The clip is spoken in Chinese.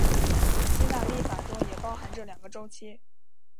古希腊历法中也包含这两个周期。